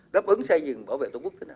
đáp ứng xây dựng bảo vệ tổ quốc thế nào